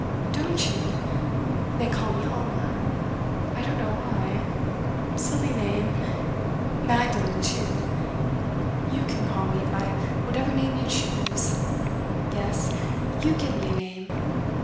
"Don't you? They call me Alma. I don't know why. Silly name! Magdalen too. It doesn't matter; you can call me by whatever name you choose. Yes, you give me a name.